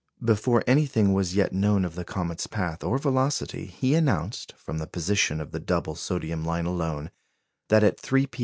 Before anything was as yet known of the comet's path or velocity, he announced, from the position of the double sodium line alone, that at 3 p.